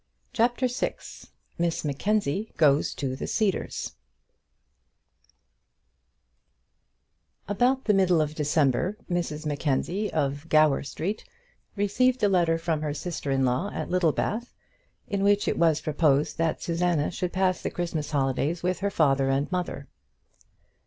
CHAPTER VI Miss Mackenzie Goes to the Cedars About the middle of December Mrs Mackenzie, of Gower Street, received a letter from her sister in law at Littlebath, in which it was proposed that Susanna should pass the Christmas holidays with her father and mother.